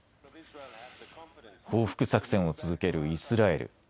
報復作戦を続けるイスラエル。